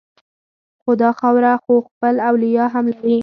خو دا خاوره خو خپل اولیاء هم لري